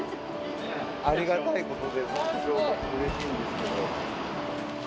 ありがたいことで、本当にうれしいんですけど。